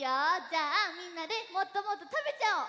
じゃあみんなでもっともっとたべちゃおう！